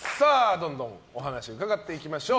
どんどんお話伺っていきましょう。